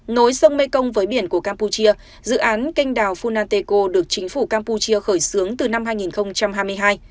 nối sông mekong với biển của campuchia dự án canh đào funanteko được chính phủ campuchia khởi xướng từ năm hai nghìn hai mươi hai